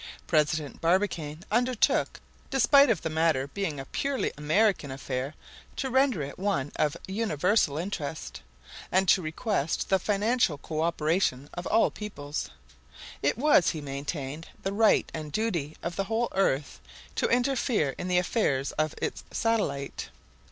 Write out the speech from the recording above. President Barbicane undertook, despite of the matter being a purely American affair, to render it one of universal interest, and to request the financial co operation of all peoples. It was, he maintained, the right and duty of the whole earth to interfere in the affairs of its satellite.